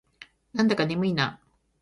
なんだか眠いな。